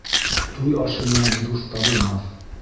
Туй ашы менән дуҫ табылмаҫ.